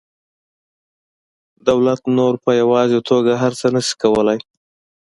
دولت نور په یوازې توګه هر څه نشي کولی